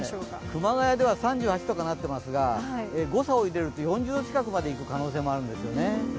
熊谷では３８とかなっていますが誤差を入れると４０度近くまでいく可能性があるんですよね。